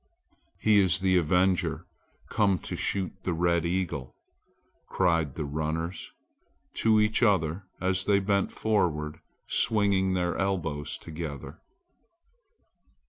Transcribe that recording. "He is the avenger come to shoot the red eagle," cried the runners to each other as they bent forward swinging their elbows together.